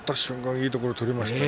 いいところを取りましたし